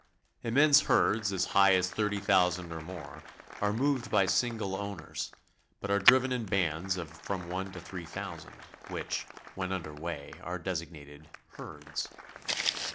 Immense herds, as high as thirty thousand or more, are moved by single owners, but are driven in bands of from one to three thousand, which, when under way, are designated "herds."